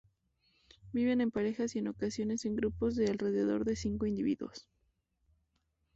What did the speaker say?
Vive en parejas y en ocasiones en grupos de alrededor de cien individuos.